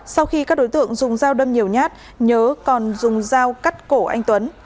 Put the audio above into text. sau khi các đối tượng dùng dao đâm nhiều nhát nhớ còn dùng dao cắt cổ anh tuấn